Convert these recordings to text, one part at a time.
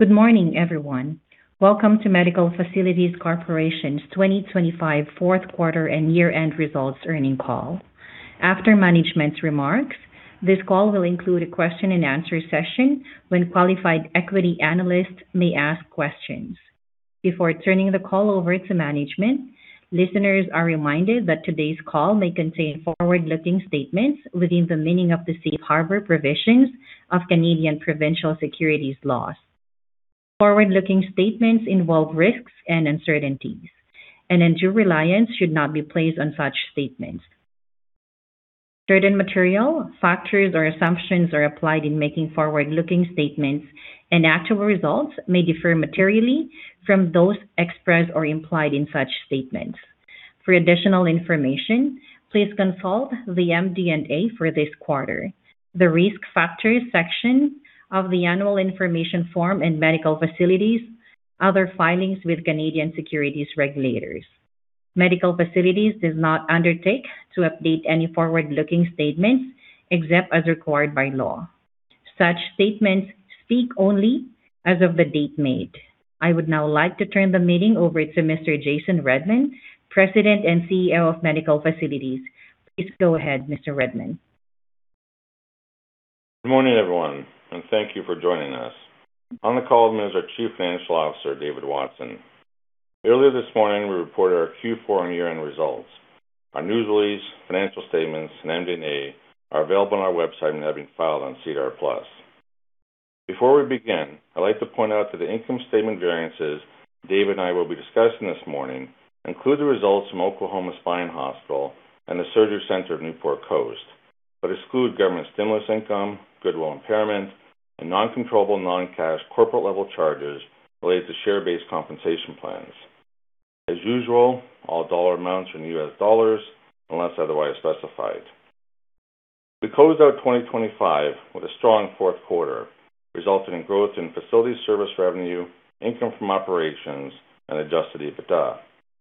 Good morning, everyone. Welcome to Medical Facilities Corporation's 2025 fourth quarter and year-end results earnings call. After management's remarks, this call will include a question and answer session when qualified equity analysts may ask questions. Before turning the call over to management, listeners are reminded that today's call may contain forward-looking statements within the meaning of the safe harbor provisions of Canadian provincial securities laws. Forward-looking statements involve risks and uncertainties, and undue reliance should not be placed on such statements. Certain material factors or assumptions are applied in making forward-looking statements, and actual results may differ materially from those expressed or implied in such statements. For additional information, please consult the MD&A for this quarter, the Risk Factors section of the annual information form and Medical Facilities' other filings with Canadian securities regulators. Medical Facilities does not undertake to update any forward-looking statements except as required by law. Such statements speak only as of the date made. I would now like to turn the meeting over to Mr. Jason Redman, President and CEO of Medical Facilities. Please go ahead, Mr. Redman. Good morning, everyone, and thank you for joining us. On the call with me is our Chief Financial Officer, David Watson. Earlier this morning, we reported our Q4 and year-end results. Our news release, financial statements, and MD&A are available on our website and have been filed on SEDAR+. Before we begin, I'd like to point out that the income statement variances Dave and I will be discussing this morning include the results from Oklahoma Spine Hospital and the Surgery Center of Newport Coast, but exclude government stimulus income, goodwill impairment, and non-controllable non-cash corporate-level charges related to share-based compensation plans. As usual, all dollar amounts are in U.S. dollars unless otherwise specified. We closed out 2025 with a strong fourth quarter, resulting in growth in facility service revenue, income from operations, and adjusted EBITDA,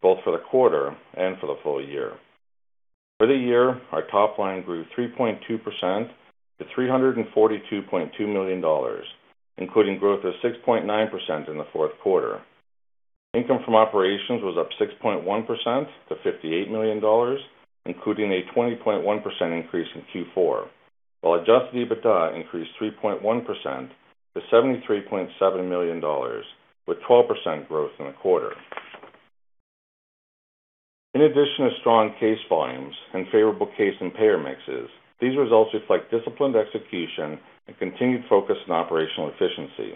both for the quarter and for the full year. For the year, our top line grew 3.2% to $342.2 million, including growth of 6.9% in the fourth quarter. Income from operations was up 6.1% to $58 million, including a 20.1% increase in Q4, while adjusted EBITDA increased 3.1% to $73.7 million, with 12% growth in the quarter. In addition to strong case volumes and favorable case and payer mixes, these results reflect disciplined execution and continued focus on operational efficiency.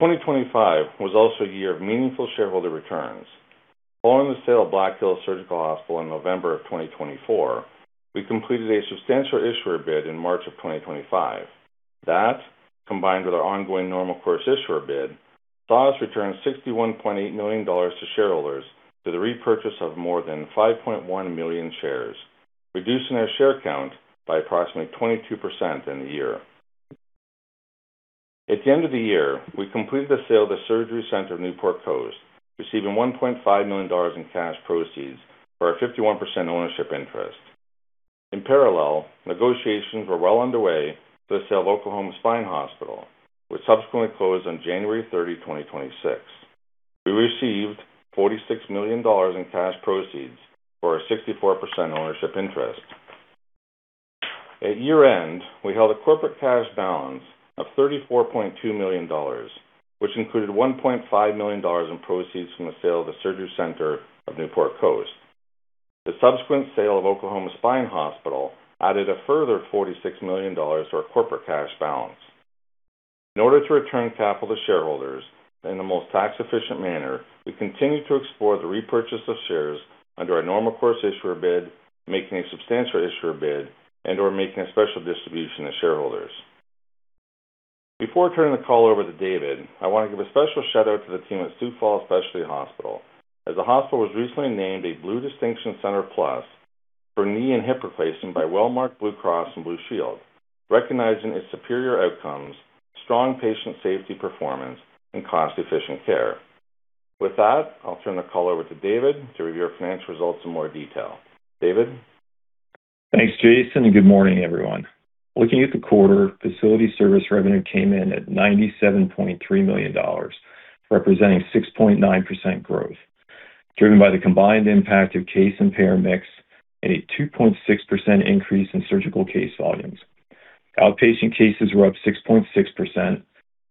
2025 was also a year of meaningful shareholder returns. Following the sale of Black Hills Surgical Hospital in November 2024, we completed a substantial issuer bid in March 2025. That, combined with our ongoing normal course issuer bid, saw us return $61.8 million to shareholders through the repurchase of more than 5.1 million shares, reducing our share count by approximately 22% in the year. At the end of the year, we completed the sale of the Surgery Center of Newport Coast, receiving $1.5 million in cash proceeds for our 51% ownership interest. In parallel, negotiations were well underway for the sale of Oklahoma Spine Hospital, which subsequently closed on January 30, 2026. We received $46 million in cash proceeds for our 64% ownership interest. At year-end, we held a corporate cash balance of $34.2 million, which included $1.5 million in proceeds from the sale of the Surgery Center of Newport Coast. The subsequent sale of Oklahoma Spine Hospital added a further $46 million to our corporate cash balance. In order to return capital to shareholders in the most tax-efficient manner, we continue to explore the repurchase of shares under our normal course issuer bid, making a substantial issuer bid, and/or making a special distribution to shareholders. Before turning the call over to David, I want to give a special shout-out to the team at Sioux Falls Specialty Hospital, as the hospital was recently named a Blue Distinction Center+ for knee and hip replacement by Wellmark Blue Cross and Blue Shield, recognizing its superior outcomes, strong patient safety performance, and cost-efficient care. With that, I'll turn the call over to David to review our financial results in more detail. David? Thanks, Jason, and good morning, everyone. Looking at the quarter, facility service revenue came in at $97.3 million, representing 6.9% growth, driven by the combined impact of case and payer mix and a 2.6% increase in surgical case volumes. Outpatient cases were up 6.6%,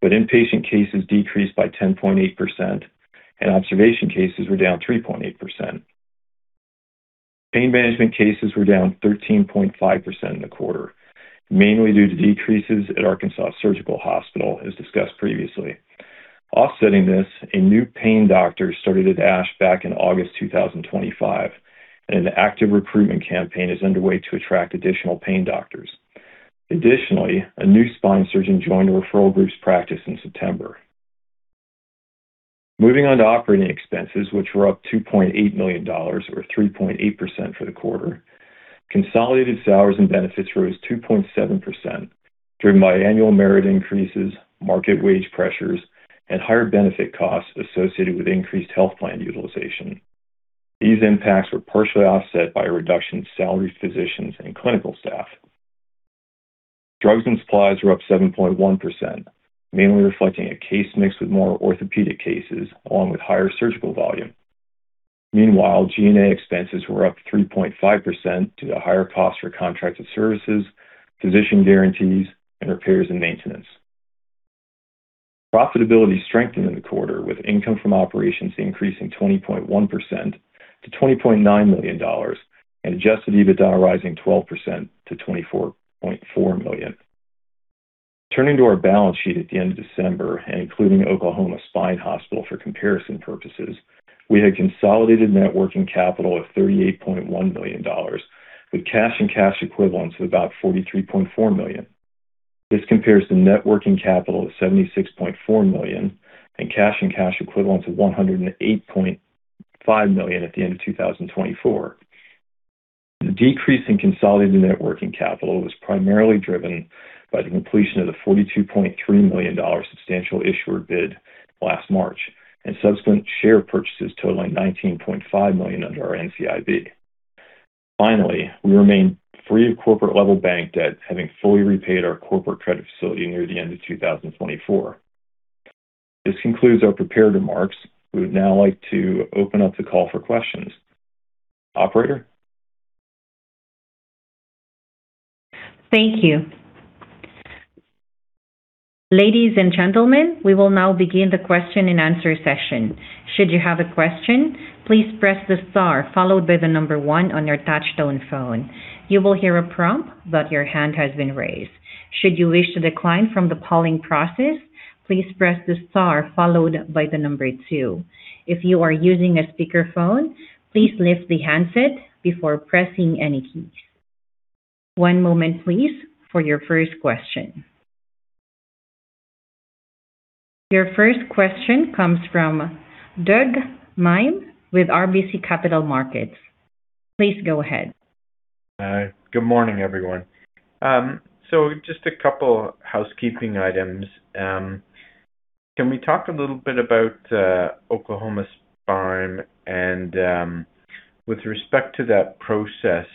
but inpatient cases decreased by 10.8%, and observation cases were down 3.8%. Pain management cases were down 13.5% in the quarter, mainly due to decreases at Arkansas Surgical Hospital, as discussed previously. Offsetting this, a new pain doctor started at ASH back in August 2025, and an active recruitment campaign is underway to attract additional pain doctors. Additionally, a new spine surgeon joined the referral group's practice in September. Moving on to operating expenses, which were up $2.8 million or 3.8% for the quarter, consolidated salaries and benefits rose 2.7%, driven by annual merit increases, market wage pressures, and higher benefit costs associated with increased health plan utilization. These impacts were partially offset by a reduction in salaried physicians and clinical staff. Drugs and supplies were up 7.1%, mainly reflecting a case mix with more orthopedic cases along with higher surgical volume. Meanwhile, G&A expenses were up 3.5% due to higher costs for contracted services, physician guarantees, and repairs and maintenance. Profitability strengthened in the quarter, with income from operations increasing 20.1% to $20.9 million and adjusted EBITDA rising 12% to $24.4 million. Turning to our balance sheet at the end of December, and including Oklahoma Spine Hospital for comparison purposes, we had consolidated net working capital of $38.1 million, with cash and cash equivalents of about $43.4 million. This compares to net working capital of $76.4 million and cash and cash equivalents of $108.5 million at the end of 2024. The decrease in consolidated net working capital was primarily driven by the completion of the $42.3 million substantial issuer bid last March and subsequent share purchases totaling $19.5 million under our NCIB. Finally, we remain free of corporate-level bank debt, having fully repaid our corporate credit facility near the end of 2024. This concludes our prepared remarks. We would now like to open up the call for questions. Operator? Thank you. Ladies and gentlemen, we will now begin the question-and-answer session. Should you have a question, please press the star followed by one on your touchtone phone. You will hear a prompt that your hand has been raised. Should you wish to decline from the polling process, please press the star followed by two. If you are using a speakerphone, please lift the handset before pressing any keys. One moment please for your first question. Your first question comes from Doug Miehm with RBC Capital Markets. Please go ahead. Good morning, everyone. Just a couple housekeeping items. Can we talk a little bit about Oklahoma Spine and, with respect to that process,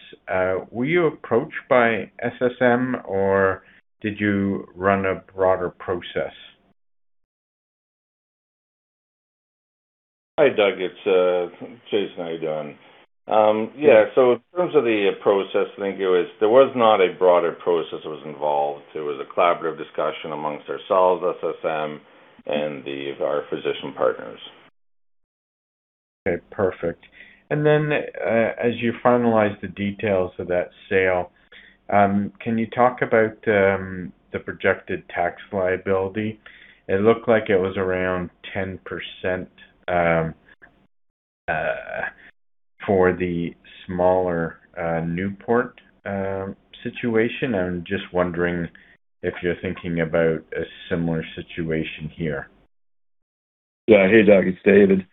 were you approached by SSM or did you run a broader process? Hi, Doug. It's Jason. How you doing? There was not a broader process that was involved. It was a collaborative discussion among ourselves, SSM, and our physician partners. Okay, perfect. As you finalize the details of that sale, can you talk about the projected tax liability? It looked like it was around 10% for the smaller Newport situation. I'm just wondering if you're thinking about a similar situation here. Yeah. Hey, Doug, it's David.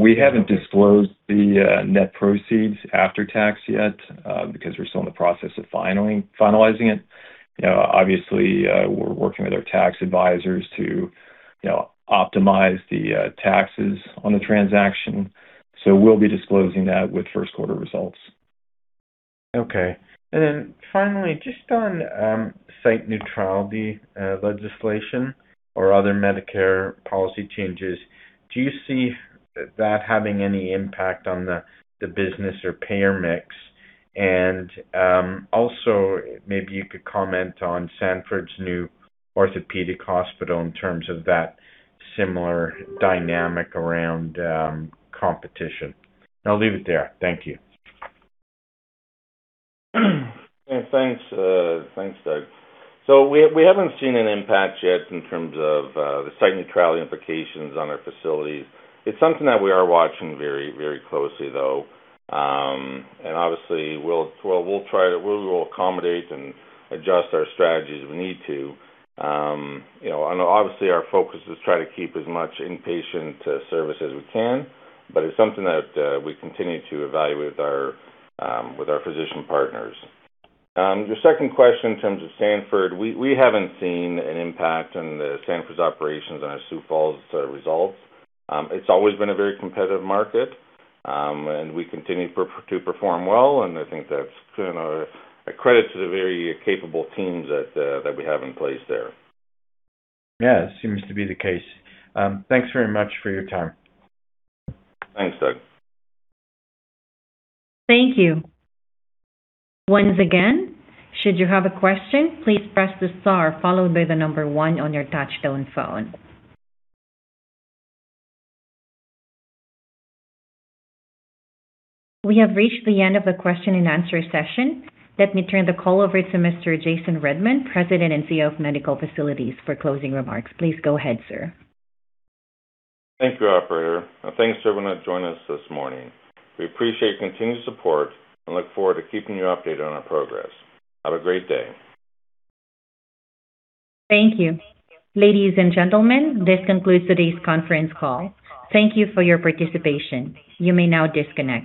We haven't disclosed the net proceeds after tax yet, because we're still in the process of finalizing it. Obviously, we're working with our tax advisors to optimize the taxes on the transaction. We'll be disclosing that with first quarter results. Okay. Finally, just on site neutrality legislation or other Medicare policy changes, do you see that having any impact on the business or payer mix? Also maybe you could comment on Sanford's new orthopedic hospital in terms of that similar dynamic around competition. I'll leave it there. Thank you. Yeah, thanks. Thanks, Doug. We haven't seen an impact yet in terms of the site neutrality implications on our facilities. It's something that we are watching very, very closely though. We will accommodate and adjust our strategies if we need to. Obviously our focus is try to keep as much inpatient service as we can, but it's something that we continue to evaluate with our physician partners. Your second question in terms of Sanford, we haven't seen an impact on the Sanford's operations on our Sioux Falls results. It's always been a very competitive market. We continue to perform well, and I think that's been a credit to the very capable teams that we have in place there. Yeah, it seems to be the case. Thanks very much for your time. Thanks, Doug. Thank you. Once again, should you have a question, please press the star followed by the number one on your touch-tone phone. We have reached the end of the question-and-answer session. Let me turn the call over to Mr. Jason Redman, President and CEO of Medical Facilities, for closing remarks. Please go ahead, sir. Thank you, operator. Thanks to everyone that joined us this morning. We appreciate your continued support and look forward to keeping you updated on our progress. Have a great day. Thank you. Ladies and gentlemen, this concludes today's conference call. Thank you for your participation. You may now disconnect.